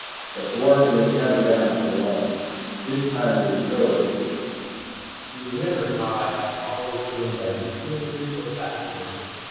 "But Dworken is never down for long. Dis time it is show business. You remember, how I haf always been by de t'eater so fascinated?